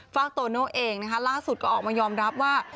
โตโน่เองนะคะล่าสุดก็ออกมายอมรับว่า